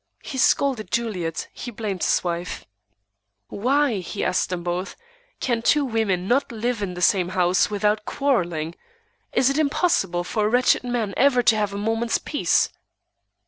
He scolded Juliet; he blamed his wife. "Why," he asked them both, "can two women not live in the same house without quarrelling? Is it impossible for a wretched man ever to have a moment's peace?"